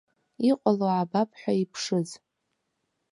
Иҟало аабап ҳәа иԥшыз.